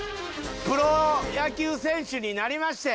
プロ野球選手になりまして。